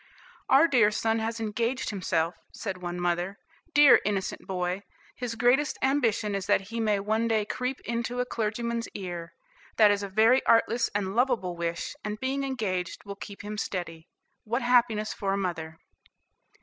"Our dear son has engaged himself," said one mother, "dear innocent boy; his greatest ambition is that he may one day creep into a clergyman's ear. That is a very artless and loveable wish; and being engaged will keep him steady. What happiness for a mother!"